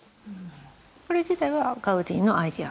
これ自体はガウディのアイデア？